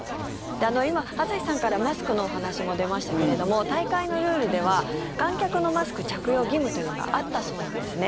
今、朝日さんからマスクのお話も出ましたけれども大会のルールでは観客のマスク着用義務というのがあったそうなんですね。